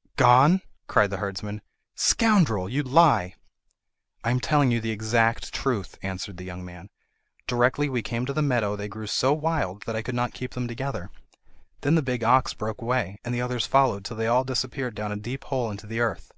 "G g gone?" cried the herdsman. "Scoundrel, you lie!" "I am telling you the exact truth," answered the young man. "Directly we came to the meadow they grew so wild that I could not keep them together. Then the big ox broke away, and the others followed till they all disappeared down a deep hole into the earth.